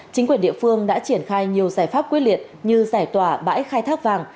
chính quyền địa phương đã triển khai nhiều giải pháp quyết liệt như giải tỏa bãi khai thác vàng